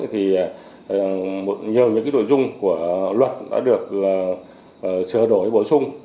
nhiều đội dung của luật đã được sửa đổi bổ sung